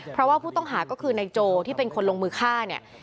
เพราะว่าผู้ต้องหาก็คือนายโจที่เป็นคนลงมือฆ่าเนี่ย